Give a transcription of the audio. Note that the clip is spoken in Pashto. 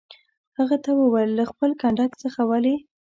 هغه ته وویل: له خپل کنډک څخه ولې.